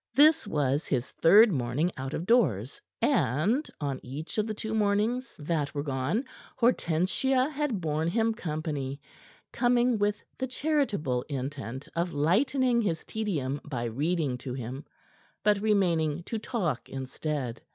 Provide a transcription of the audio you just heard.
This was his third morning out of doors, and on each of the two mornings that were gone Hortensia had borne him company, coming with the charitable intent of lightening his tedium by reading to him, but remaining to talk instead.